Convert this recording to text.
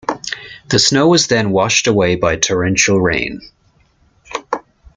The snow was then washed away by torrential rain.